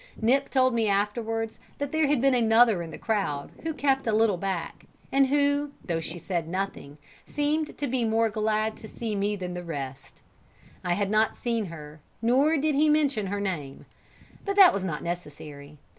Nip told me afterwards, that there had been another in the crowd who kept a little back, and who, though she said nothing, seemed to be more glad to see me than all the rest. I had not seen her, nor did he mention her name, but that was not necessary.